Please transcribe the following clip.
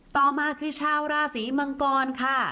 ต่อมาคือชาวราศีมังกรค่ะ